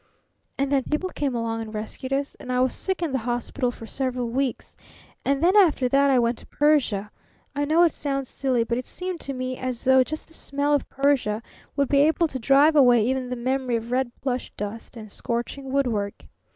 "And then people came along and rescued us, and I was sick in the hospital for several weeks. And then after that I went to Persia. I know it sounds silly, but it seemed to me as though just the smell of Persia would be able to drive away even the memory of red plush dust and scorching woodwork.